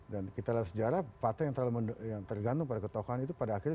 dan kita lihat sejarah partai yang terlalu tergantung pada ketokohan itu pada akhirnya